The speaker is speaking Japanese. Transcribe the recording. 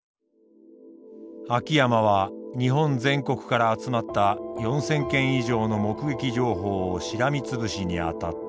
秋山は日本全国から集まった４，０００件以上の目撃情報をしらみつぶしにあたった。